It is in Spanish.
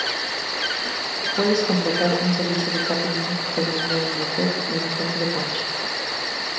Puedes contratar un servicio de cáterin, teniendo un buffet y una fuente de ponche.